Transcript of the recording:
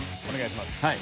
お願いします。